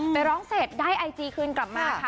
ไปร้องเสร็จได้ไอจีคืนกลับมาค่ะ